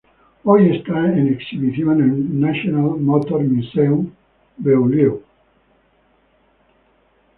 Hoy está en exhibición en el National Motor Museum, Beaulieu.